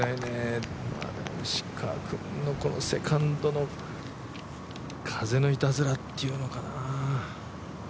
石川君のセカンドの風のいたずらっていうのがなあ